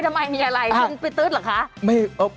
ทำไมมีอะไรคุณไปตื๊ดเหรอคะ